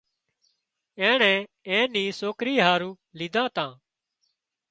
اينڻي اين ني سوڪري هارو ليڌان تان